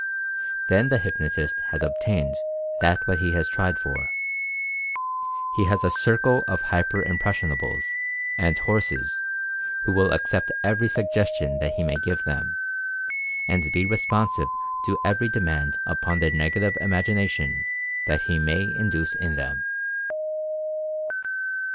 Then the hypnotist has obtained that which he has tried for. He has a circle of "hyper impres sionables" and "horses" who will accept every sugges tion that he may give them, and be responsive to every demand upon their Negative Imagination that he may induce in them.